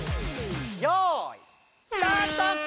よいスタート！